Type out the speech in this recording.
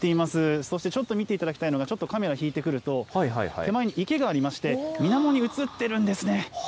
そして、ちょっと見ていただきたいのが、ちょっとカメラ引いてくると、手前に池がありまして、水面に映ってるんですね。